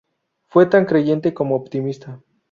Fue tan creyente como optimista.